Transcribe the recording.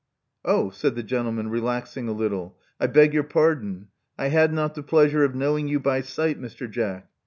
0h!" said the gentleman, relaxing a little. I beg your pardon. I had not the pleasure of knowing you by sight, Mr. Jack.